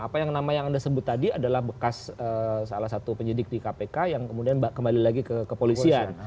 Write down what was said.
apa yang nama yang anda sebut tadi adalah bekas salah satu penyidik di kpk yang kemudian kembali lagi ke kepolisian